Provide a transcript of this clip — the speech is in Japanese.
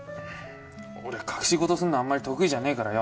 俺隠し事すんのあんまり得意じゃねえからよ